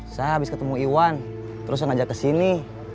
saya habis ketemu iwan terus ngajar kesini